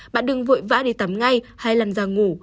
bạn đừng vội vã đi tắm ngay hay lằn ra ngủ